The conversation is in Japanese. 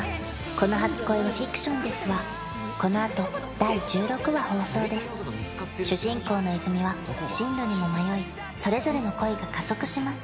この初恋はフィクションです」はこのあと第１６話放送です主人公の泉は進路にも迷いそれぞれの恋が加速します